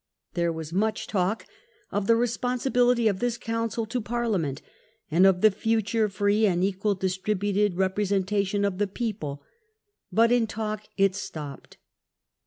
There was much talk of the responsibility of this council to Parliament, and of the future free and equally distributed representation of the people; but in talk it stopped.